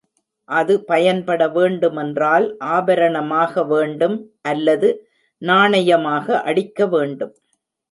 அது பயன்பட வேண்டுமென்றால் ஆபரணமாக வேண்டும் அல்லது நாணயமாக அடிக்க வேண்டும்.